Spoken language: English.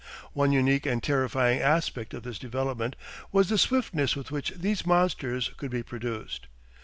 One unique and terrifying aspect of this development was the swiftness with which these monsters could be produced.